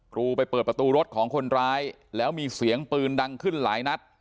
รูไปเปิดประตูรถของคนร้ายแล้วมีเสียงปืนดังขึ้นหลายนัด